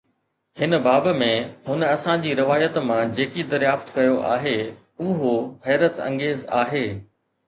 هن باب ۾، هن اسان جي روايت مان جيڪي دريافت ڪيو آهي، اهو حيرت انگيز آهي.